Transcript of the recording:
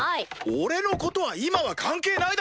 俺のことは今は関係ないだろうが！